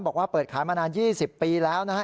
บอกว่าเปิดขายมานาน๒๐ปีแล้วนะฮะ